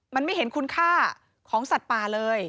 มันไม่เห็นคุณค่าของสัตว์ป่าเลย